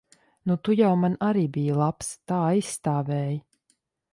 Nu, tu jau man arī biji labs. Tā aizstāvēji.